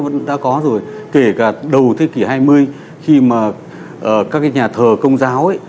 nó đã có rồi kể cả đầu thế kỷ hai mươi khi mà các cái nhà thờ công giáo ấy